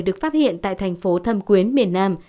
được phát hiện tại thành phố thâm quyến miền nam